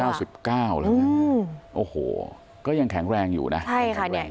เก้าสิบเก้าแล้วน่ะอืมโอ้โหก็ยังแข็งแรงอยู่น่ะแข็งแรงอยู่